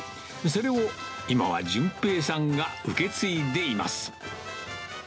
それを今は淳平さんが受け継いでいます。